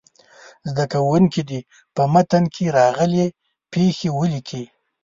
زده کوونکي دې په متن کې راغلې پيښې ولیکي.